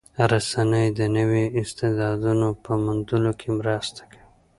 رسنۍ د نویو استعدادونو په موندلو کې مرسته کوي.